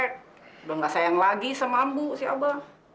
udah gak sayang lagi sama ambu si aba